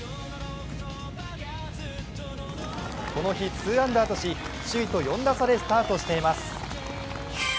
この日、ツーアンダーとし、首位と４打差でスタートしています。